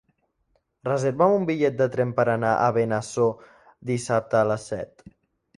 Reserva'm un bitllet de tren per anar a Benasau dissabte a les set.